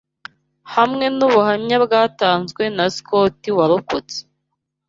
Hamwe n'ubuhamya bwatanzwe na Sicoti warokotse